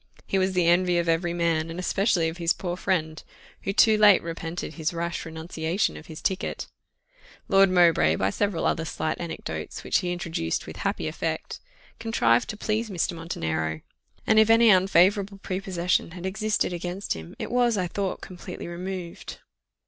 He was the envy of every man, and especially of his poor friend, who too late repented his rash renunciation of his ticket. Lord Mowbray, by several other slight anecdotes, which he introduced with happy effect, contrived to please Mr. Montenero; and if any unfavourable prepossession had existed against him, it was, I thought, completely removed.